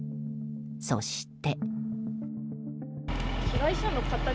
そして。